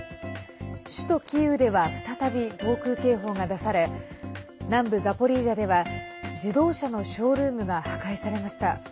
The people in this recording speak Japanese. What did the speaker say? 首都キーウでは再び防空警報が出され南部ザポリージャでは自動車のショールームが破壊されました。